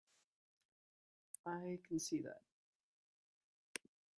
I can see that.